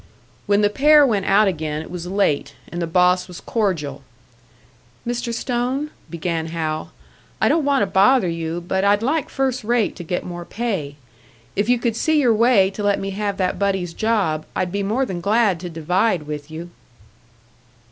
When the pair went out again, it was late, and the boss was cordial. "Mr. Stone," began Hal, "I don't want to bother you, but I'd like first rate to get more pay. If you could see your way to let me have that buddy's job, I'd be more than glad to divide with you."